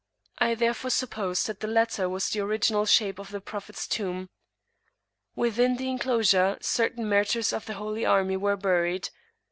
I therefore suppose that the latter was the original shape of the Prophet's tomb. Within the enclosure certain martyrs of the holy army were buried.